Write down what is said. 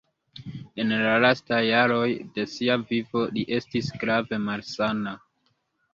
En la lastaj jaroj de sia vivo li estis grave malsana.